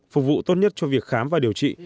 phục vụ tốt nhất cho việc khám và điều trị